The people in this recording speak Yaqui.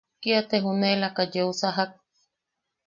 Kia te juneʼelaka yeu sajak.